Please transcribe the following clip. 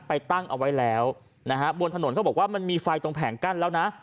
ตั้งเอาไว้แล้วนะฮะบนถนนเขาบอกว่ามันมีไฟตรงแผงกั้นแล้วนะ